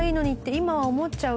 今は思っちゃうけど。